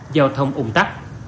giao thông ủng tắc